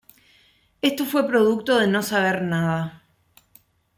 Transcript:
Esto fue producto de no saber nada.